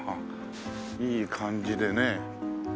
いい感じでね。